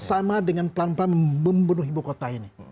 sama dengan pelan pelan membunuh ibu kota ini